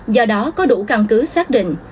do đó có đủ căn cứ xác định